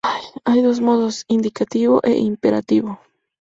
Hay dos modos: indicativo e imperativo.